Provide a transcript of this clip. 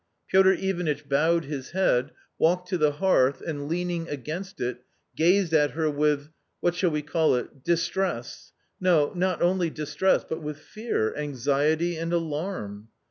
Piotr Ivanitch bowed his head, walked to the hearth and leaning against it, gazed at her with — what shall we call it — distress, no not only distress, but with fear, anxiety and alarm.